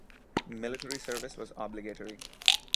Military service was obligatory.